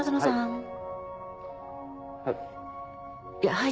はい？